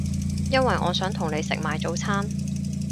因為我想同你食埋早餐